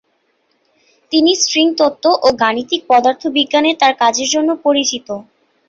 তিনি স্ট্রিং তত্ত্ব ও গাণিতিক পদার্থবিজ্ঞানে তার কাজের জন্য পরিচিত।